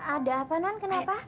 ada apa non kenapa